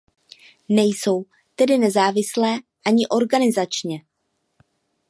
Nejsou tedy nezávislé ani organizačně.